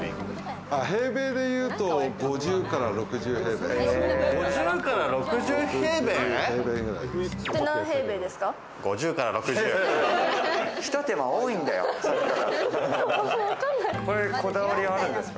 平米でいうと５０から６０ぐらい。って何平米ですか？